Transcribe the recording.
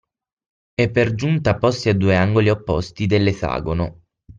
E per giunta posti a due angoli opposti dell’esagono…